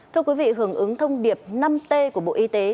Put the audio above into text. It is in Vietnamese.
thưa quý vị hưởng ứng thông điệp năm t của bộ y tế